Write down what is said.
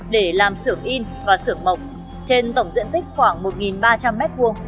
để làm xưởng in và xưởng mộc trên tổng diện tích khoảng một nghìn ba trăm linh m hai